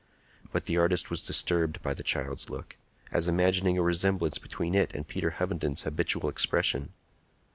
But the artist was disturbed by the child's look, as imagining a resemblance between it and Peter Hovenden's habitual expression.